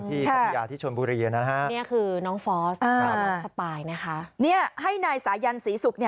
ที่ศรียาที่ชนบุรีนะฮะนี่คือน้องฟอร์สสปายนะคะนี่ให้นายสายันศรีสุป